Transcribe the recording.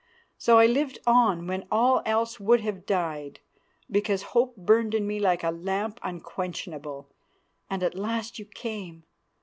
So I lived on when all else would have died, because hope burned in me like a lamp unquenchable. And at last you came!